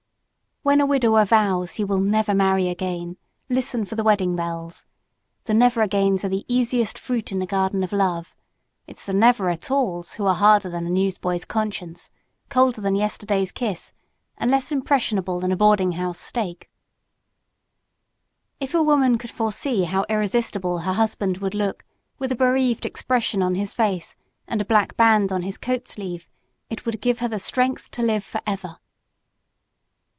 When a widower vows he will "never marry again," listen for the wedding bells! The "Never agains" are the easiest fruit in the Garden of Love. It's the "Never at alls!" who are harder than a newsboy's conscience, colder than yesterday's kiss, and less impressionable than a boarding house steak. If a woman could foresee how irresistible her husband would look with a bereaved expression on his face and a black band on his coat sleeve, it would give her the strength to live forever.